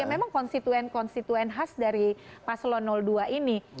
memang konstituen konstituen khas dari paslo dua ini